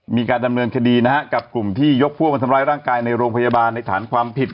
มีการดำเนินคดีนะฮะกับกลุ่มที่ยกพวกมาทำร้ายร่างกายในโรงพยาบาลในฐานความผิด